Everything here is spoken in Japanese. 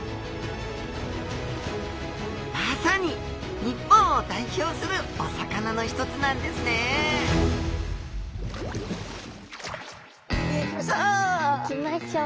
まさに日本を代表するお魚の一つなんですね行きましょう！